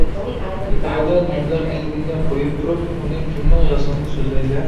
ھېكايىدە نېمىلەر دېيىلگىنىنى قويۇپ تۇرۇپ، ئۇنى كىمنىڭ يازغىنىنى سۆزلەيلى.